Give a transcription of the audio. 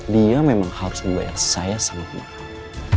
dia memang harus membayar saya sama kemarin